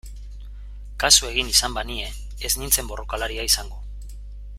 Kasu egin izan banie ez nintzen borrokalaria izango...